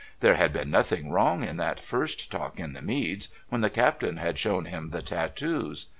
There had been nothing wrong in that first talk in the Meads, when the Captain had shown him the tatooes.